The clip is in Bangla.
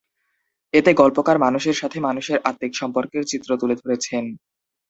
এতে গল্পকার মানুষের সাথে মানুষের আত্মিক সম্পর্কের চিত্র তুলে ধরেছেন।